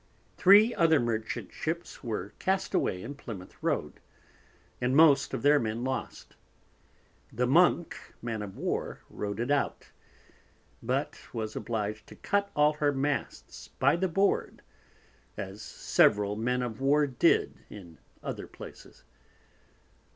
Three other Merchant Ships were cast away in Plimouth Road, and most of their Men lost: The Monk Man of War rode it out, but was oblig'd to cut all her Masts by the Board, as several Men of War did in other places.